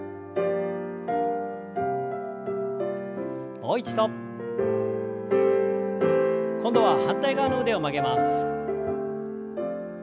もう一度。今度は反対側の腕を曲げます。